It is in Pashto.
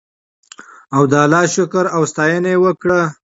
او د الله شکر او ستاینه یې وکړه.